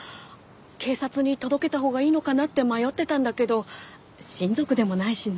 警察に届けたほうがいいのかなって迷ってたんだけど親族でもないしね。